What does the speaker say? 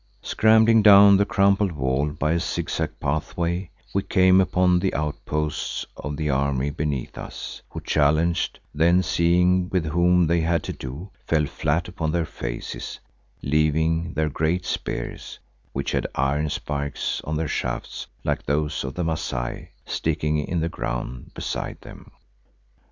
Scrambling down the crumpled wall by a zig zag pathway, we came upon the outposts of the army beneath us who challenged, then seeing with whom they had to do, fell flat upon their faces, leaving their great spears, which had iron spikes on their shafts like to those of the Masai, sticking in the ground beside them.